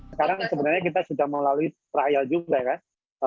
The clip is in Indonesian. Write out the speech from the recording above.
sekarang sebenarnya kita sudah melalui trial juga kan